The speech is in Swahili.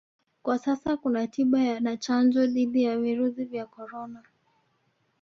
Kwa sasa kuna tiba na chanjo dhidi ya virusi vya Corona